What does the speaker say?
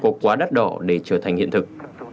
không xanh có quá đắt đỏ để trở thành hiện thực